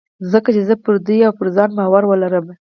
ځکه چې زه به پر دوی او پر ځان باور ولرم.